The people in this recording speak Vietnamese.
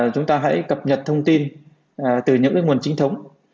chúng ta hãy cập nhật thông tin từ những nguồn chính thống